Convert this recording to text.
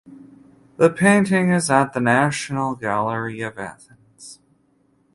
The painting is at the National Gallery of Athens.